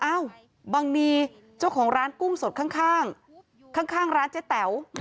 อ้าวบังนีเจ้าของร้านกุ้งสดข้างข้างร้านเจ๊แต๋ว